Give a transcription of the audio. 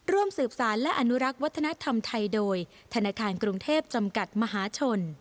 ร่วมสืบสารและอนุรักษ์วัฒนธรรมไทยโดยธนาคารกรุงเทพจำกัดมหาชน